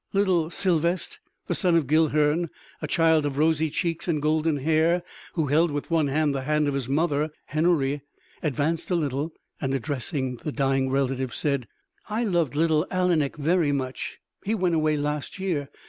Little Sylvest, the son of Guilhern, a child of rosy cheeks and golden hair, who held with one hand the hand of his mother Henory, advanced a little and addressing the dying relative said: "I loved little Alanik very much; he went away last year....